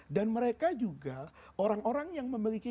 dan mereka juga orang orang yang memiliki